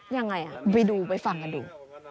ยังไงไปดูไปฟังกันดู